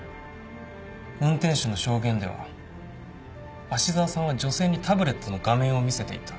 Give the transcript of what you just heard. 運転手の証言では芦沢さんは女性にタブレットの画面を見せていた。